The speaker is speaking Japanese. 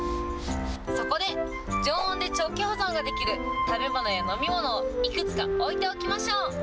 そこで、常温で長期保存ができる食べ物や飲み物をいくつか置いておきましょう。